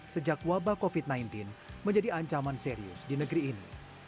sejak wabah covid sembilan belas menjadi ancaman serius di negeri ini